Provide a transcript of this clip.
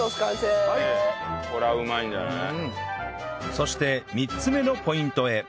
そして３つ目のポイントへ